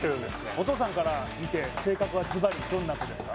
お父さんから見て性格はズバリどんな子ですか？